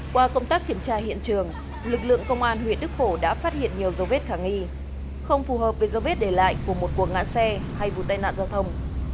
qua công tác kiểm tra hiện trường lực lượng công an huyện đức phổ đã phát hiện nhiều dấu vết khả nghi không phù hợp với dấu vết để lại của một cuộc ngã xe hay vụ tai nạn giao thông